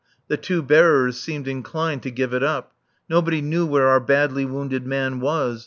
The two bearers seemed inclined to give it up. Nobody knew where our badly wounded man was.